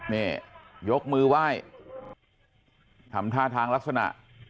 นี่ยกมือไหว้ทำท่าทางลักษณะ